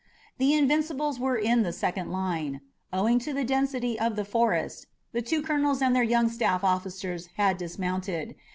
The Invincibles were in the second line. Owing to the density of the forest, the two colonels and their young staff officers had dismounted.